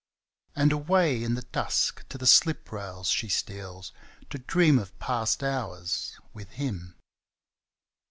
And away in the dusk to the slip rails she steals To dream of past hours ' with him.'